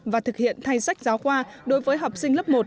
và thực hiện thay sách giáo khoa đối với học sinh lớp một